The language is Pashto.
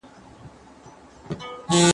که وخت وي، ليکنه کوم!.